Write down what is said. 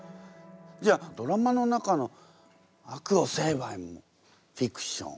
じゃあドラマの中の悪を成敗もフィクション。